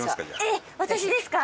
えっ私ですか！？